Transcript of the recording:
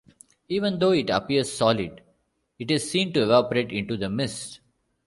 Even though it appears solid, it is seen to evaporate into the mist.